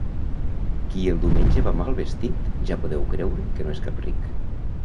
Qui el diumenge va mal vestit, ja podeu creure que no és cap ric.